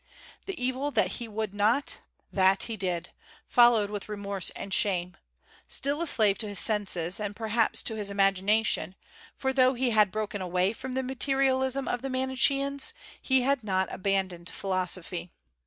The evil that he would not, that he did, followed with remorse and shame; still a slave to his senses, and perhaps to his imagination, for though he had broken away from the materialism of the Manicheans, he had not abandoned philosophy.